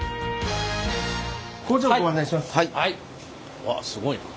うわっすごいな。